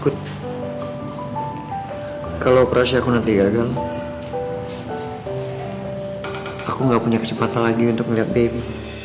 kalau operasi aku nanti gagal aku gak punya kesempatan lagi untuk melihat baby